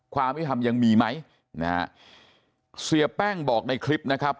ความวิธรรมยังมีไหมนะฮะเสียแป้งบอกในคลิปนะครับ